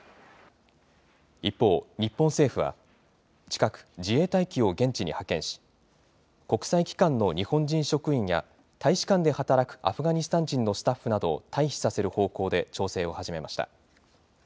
一方、日本政府は、近く、自衛隊機を現地に派遣し、国際機関の日本人職員や大使館で働くアフガニスタン人のスタッフなどを退避させる方向で調整を始めました。